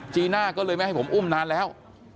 จีน่าก็เลยไม่ให้ผมอุ้มนานแล้ว